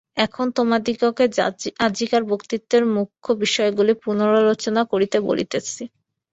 এখন তোমাদিগকে আজিকার বক্তৃতার মুখ্য বিষয়গুলি পুনরালোচনা করিতে বলিতেছি।